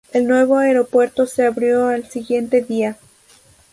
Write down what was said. El nuevo aeropuerto se abrió al siguiente día.